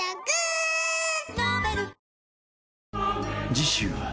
［次週は］